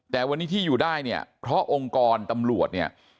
แต่วันนี้ที่อยู่ได้เนี่ยเพราะองค์กรตำรวจเนี่ย